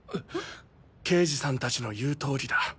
刑事さんたちの言うとおりだ。